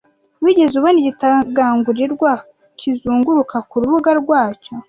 Wigeze ubona igitagangurirwa kizunguruka kurubuga rwacyo?